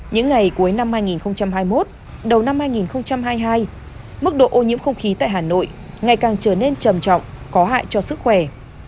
những ngày cuối năm hai nghìn hai mươi một đầu năm hai nghìn hai mươi hai mức độ ô nhiễm không khí tại hà nội ngày càng trở nên trầm trọng có hại cho sức khỏe